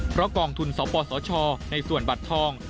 เพราะกองทุนสปสชในส่วนบัตรทอง